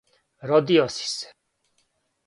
Родио си се!